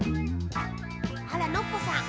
あらノッポさん。